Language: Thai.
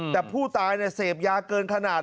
แต่ผู้ตายเสพยาเกินขนาด